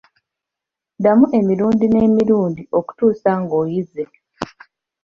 Ddamu emirundi n'emirundi okutuusa ng'oyize.